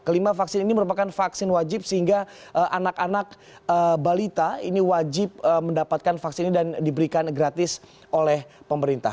kelima vaksin ini merupakan vaksin wajib sehingga anak anak balita ini wajib mendapatkan vaksin ini dan diberikan gratis oleh pemerintah